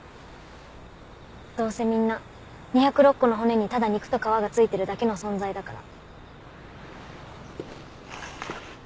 どうせみんな２０６個の骨にただ肉と皮がついてるだけの存在だから。